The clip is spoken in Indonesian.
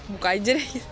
buka aja deh